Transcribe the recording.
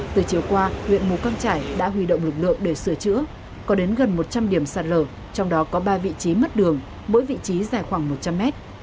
từ chiều qua huyện mù căng trải đã huy động lực lượng để sửa chữa có đến gần một trăm linh điểm sạt lở trong đó có ba vị trí mất đường mỗi vị trí dài khoảng một trăm linh mét